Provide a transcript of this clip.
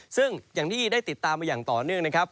ซึ่งอย่างที่ได้ติดตามมาอย่างต่อเนื่องนะครับ